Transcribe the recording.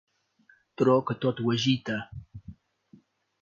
Tro que tot ho agita.